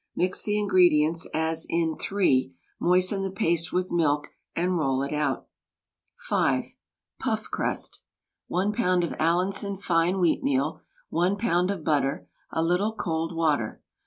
Mix the ingredients as in (3), moisten the paste with milk, and roll it out. (5) (Puff crust). 1 lb. of Allinson fine wheatmeal, 1 lb. of butter, a little cold water.